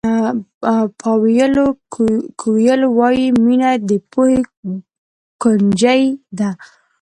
پاویلو کویلو وایي مینه د پوهې کونجۍ ده.